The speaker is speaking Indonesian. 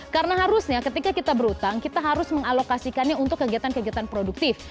karena harusnya ketika kita berutang kita harus mengalokasikannya untuk kegiatan kegiatan produktif